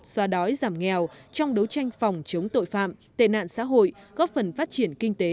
xoa đói giảm nghèo trong đấu tranh phòng chống tội phạm tệ nạn xã hội góp phần phát triển kinh tế